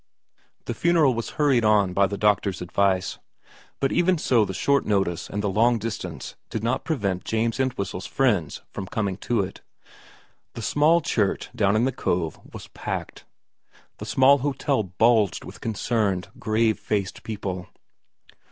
The funeral was hurried on by the doctor's advice, but even so the short notice and the long distance did not prevent James Entwhistle's friends from coming to it. The small church down in the cove was packed ; the small hotel bulged with concerned, grave faced people.